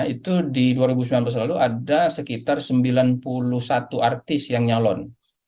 itu di dua ribu sembilan belas lalu ada sekitar sembilan puluh satu artis yang nyalon